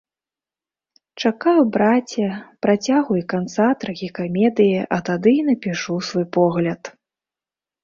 Чакаю, браце, працягу і канца трагікамедыі, а тады і напішу свой погляд.